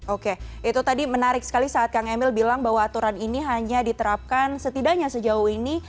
oke itu tadi menarik sekali saat kang emil bilang bahwa aturan ini hanya diterapkan setidaknya sejauh ini